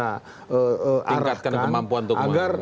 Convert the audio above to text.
tingkatkan kemampuan untuk kemampuan